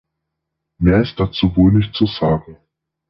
Mehr ist dazu wohl nicht zu sagen.